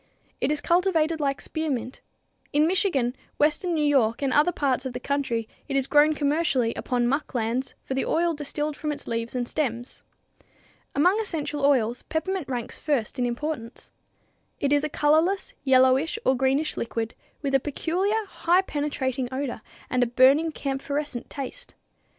It is cultivated like spearmint. In Michigan, western New York and other parts of the country it is grown commercially upon muck lands for the oil distilled from its leaves and stems. Among essential oils, peppermint ranks first in importance. It is a colorless, yellowish or greenish liquid, with a peculiar, highly penetrating odor and a burning, camphorescent taste.